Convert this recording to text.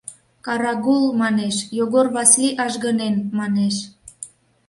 — Карагул, манеш, Йогор Васли ажгынен, манеш.